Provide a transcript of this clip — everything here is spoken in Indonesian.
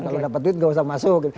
kalau dapat duit nggak usah masuk